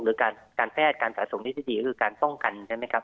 หรือการแพทย์การสะสมที่ดีก็คือการป้องกันใช่ไหมครับ